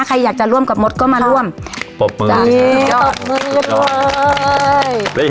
ใครอยากจะร่วมกับมดก็มาร่วมปบมืออืมปบมือด้วย